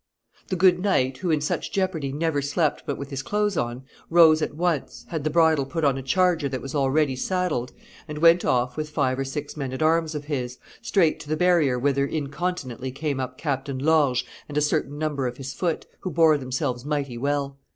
The good knight, who in such jeopardy never slept but with his clothes on, rose at once, had the bridle put on a charger that was already saddled, and went off with five or six men at arms of his, straight to the barrier whither incontinently came up Captain Lorges and a certain number of his foot, who bore themselves mighty well.